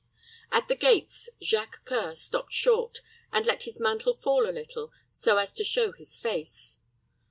At the gates Jacques C[oe]ur stopped short, and let his mantle fall a little, so as to show his face.